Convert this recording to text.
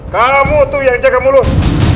kamu tuh yang jaga mulus